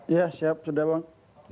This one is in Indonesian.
ya siap sudah bang